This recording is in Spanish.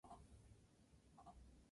El estudio de Isler "et al".